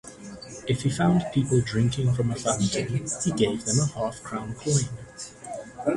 If he found people drinking from a fountain, he gave them a half-crown coin.